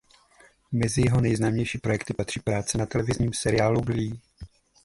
Mezi jeho nejznámější projekty patří práce na televizním seriálu "Glee".